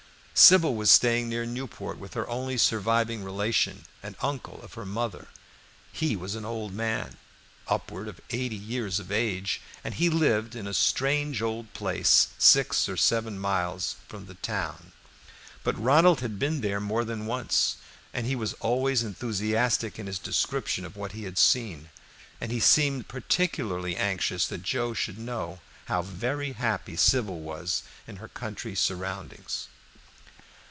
Sybil was staying near Newport with her only surviving relation, an uncle of her mother. He was an old man, upward of eighty years of age, and he lived in a strange old place six or seven miles from the town. But Ronald had been there more than once, and he was always enthusiastic in his description of what he had seen, and he seemed particularly anxious that Joe should know how very happy Sybil was in her country surroundings.